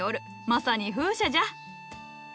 まさに風車じゃ。